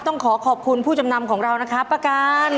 ต้องขอขอบคุณผู้จำนำของเรานะครับประกัน